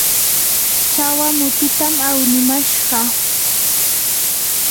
chawa mutitam awnimashqa.